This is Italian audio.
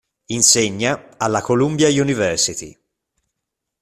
Insegna alla Columbia University.